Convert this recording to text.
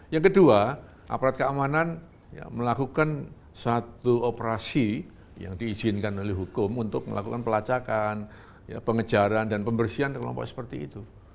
yang kedua aparat keamanan melakukan satu operasi yang diizinkan oleh hukum untuk melakukan pelacakan pengejaran dan pembersihan kelompok seperti itu